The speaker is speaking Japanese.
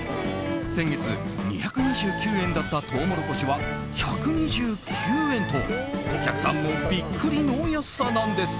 先月２２９円だったトウモロコシは１２９円と、お客さんもビックリの安さなんです。